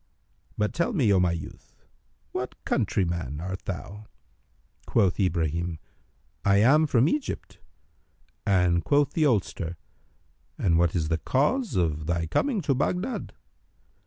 But, tell me, O my son, what countryman art thou." Quoth Ibrahim, "I am from Egypt," and quoth the oldster, "And what is the cause of thy coming to Baghdad?"